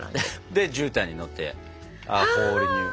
でじゅうたんに乗って「ホール・ニュー」。